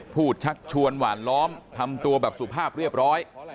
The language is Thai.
ชักชวนหวานล้อมทำตัวแบบสุภาพเรียบร้อย